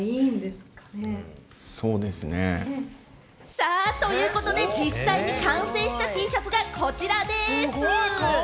さあ、ということで、実際に完成したＴシャツがこちらです！